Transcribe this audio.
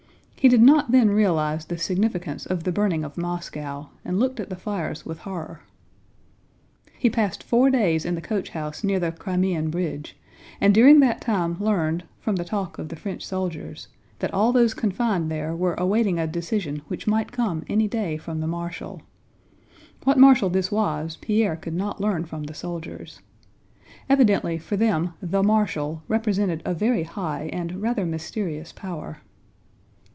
He did not then realize the significance of the burning of Moscow, and looked at the fires with horror. He passed four days in the coach house near the Crimean bridge and during that time learned, from the talk of the French soldiers, that all those confined there were awaiting a decision which might come any day from the marshal. What marshal this was, Pierre could not learn from the soldiers. Evidently for them "the marshal" represented a very high and rather mysterious power.